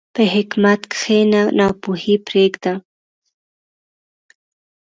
په حکمت کښېنه، ناپوهي پرېږده.